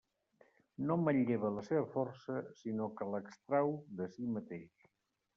No manlleva la seva força, sinó que l'extrau de si mateix.